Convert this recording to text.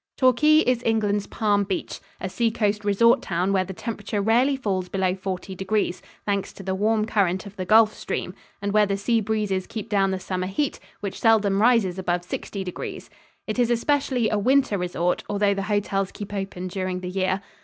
Torquay is England's Palm Beach a seacoast resort town where the temperature rarely falls below forty degrees, thanks to the warm current of the Gulf Stream; and where the sea breezes keep down the summer heat, which seldom rises above sixty degrees. It is especially a winter resort, although the hotels keep open during the year.